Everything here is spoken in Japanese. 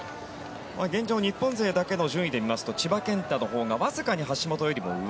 現状、日本勢だけの順位で見ますと千葉健太のほうがわずかに橋本より上。